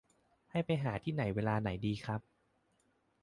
ให้ไปหาที่ไหนเวลาไหนดีครับ